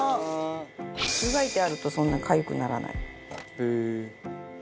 湯がいてあるとそんな、かゆくならない。